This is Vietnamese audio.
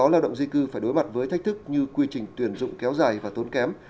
sáu lao động di cư phải đối mặt với thách thức như quy trình tuyển dụng kéo dài và tốn kém